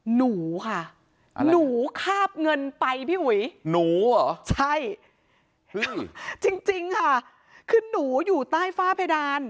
หนูค่ะหนูคาบเงินไปพี่อุ๋ยหนูเหรอใช่จริงค่ะคือหนูอยู่ใต้ฝ้าเพดาน